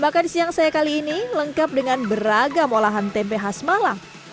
makan siang saya kali ini lengkap dengan beragam olahan tempe khas malang